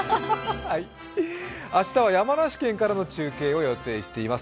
明日は山梨県からの中継を予定しています。